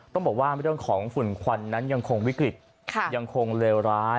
ต้องบอกว่าเรื่องของฝุ่นควันนั้นยังคงวิกฤตยังคงเลวร้าย